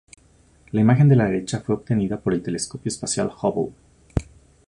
La imagen de la derecha fue obtenida por el Telescopio Espacial Hubble.